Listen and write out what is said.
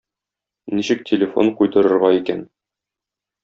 Ничек телефон куйдырырга икән?